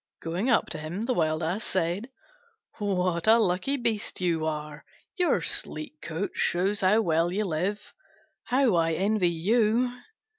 Going up to him, he said, "What a lucky beast you are! Your sleek coat shows how well you live: how I envy you!"